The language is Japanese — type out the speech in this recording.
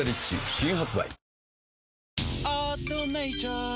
新発売